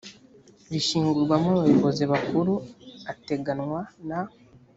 rishyingurwamo abayobozi bakuru ateganywa mu